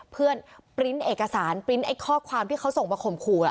ปริ้นต์เอกสารปริ้นต์ไอ้ข้อความที่เขาส่งมาข่มขู่